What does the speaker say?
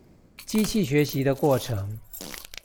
機器學習的過程